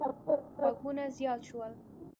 غږونه زیات شول.